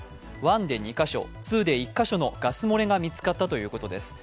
１で２か所、２で１か所のガス漏れが見つかったということです。